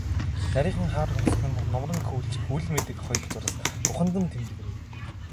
Нарийхан хар хөмсөг нь нумран хөвчилж, үл мэдэг хоёр зураас духанд нь тэмдгэрэв.